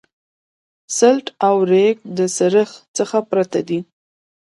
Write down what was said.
سلټ او ریګ د سریښ څخه پرته دي